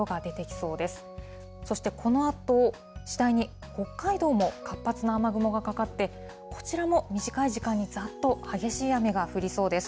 そしてこのあと、次第に北海道も活発な雨雲がかかって、こちらも短い時間にざーっと激しい雨が降りそうです。